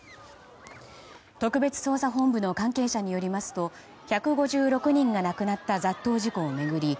特別捜査本部の関係者によりますと１５６人が亡くなった雑踏事故を巡り